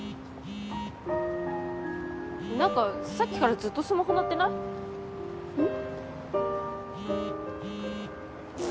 何かさっきからずっとスマホ鳴ってない？ん？